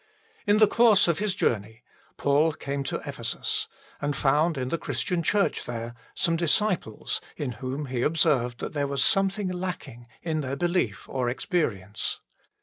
In the course of his journey Paul came to Ephesus, and found in the Christian church there some disciples in whom he observed that there was something lacking in their belief or experience.